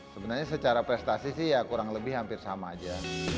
sebenarnya secara prestasi sih ya kurang lebih hampir sama aja